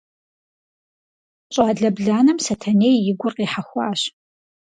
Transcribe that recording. Щӏалэ бланэм Сэтэней и гур къихьэхуащ.